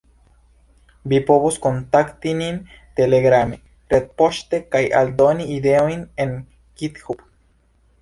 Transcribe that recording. Vi povos kontakti nin Telegrame, retpoŝte kaj aldoni ideojn en Github.